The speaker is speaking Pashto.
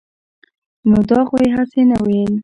نو دا خو يې هسې نه وييل -